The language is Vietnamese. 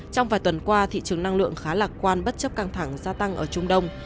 trong vài tuần qua thị trường năng lượng khá lạc quan bất chấp căng thẳng gia tăng ở trung đông